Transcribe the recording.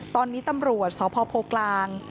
ตอนนี้ตำรวจสพโพกลาง